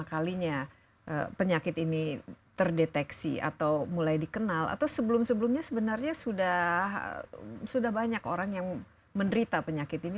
kalinya penyakit ini terdeteksi atau mulai dikenal atau sebelum sebelumnya sebenarnya sudah banyak orang yang menderita penyakit ini